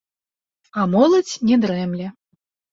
А моладзь не дрэмле.